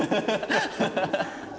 ハハハハ！